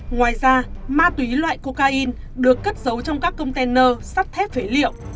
ngoài ra ma túy loại cocaine được cất giấu trong các container sắt thép phế liệu